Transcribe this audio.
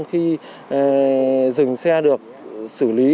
khi dừng xe được xử lý